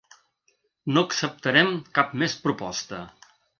No acceptarem cap més proposta.